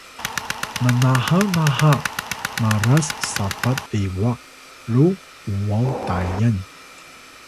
mnama naha maras sapat bewak ru uwaw Tayan